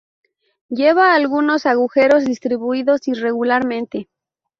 Lleva algunos agujeros distribuidos irregularmente.